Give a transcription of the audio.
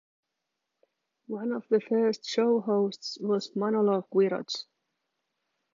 One of the first show hosts was Manolo Quiroz.